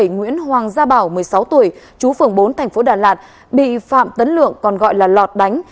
nguyễn hoàng gia bảo một mươi sáu tuổi chú phường bốn thành phố đà lạt bị phạm tấn lượng còn gọi là lọt đánh